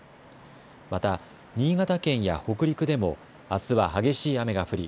また新潟県や北陸でもあすは激しい雨が降り